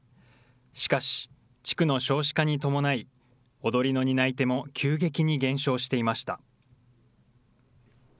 しかし、地区の少子化に伴い、踊りの担い手も急激に減少していました。